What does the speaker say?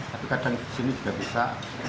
tapi kadang di sini juga bisa